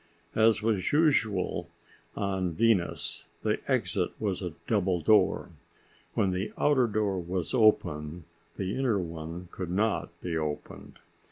As was usual on Venus, the exit was a double door. When the outer door was open, the inner one could not be opened.